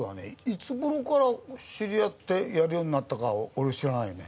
いつ頃から知り合ってやるようになったか俺知らないね。